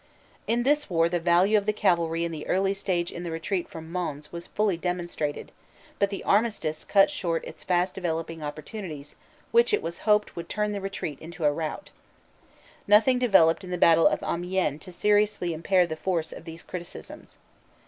In this war the value of the cavalry in the early stage in the retreat from Mons was fully demonstrated ; but the armis tice cut short its fast developing opportunities which it was hoped would turn the retreat into a rout. Nothing developed in the Battle of Amiens to seriously impair the force of these criticisms.